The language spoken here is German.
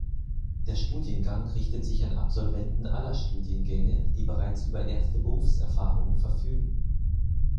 Der Studiengang richtet sich an Absolventen aller Studiengänge, die bereits über erste Berufserfahrungen verfügen.